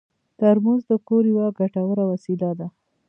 ترموز د کور یوه ګټوره وسیله ده.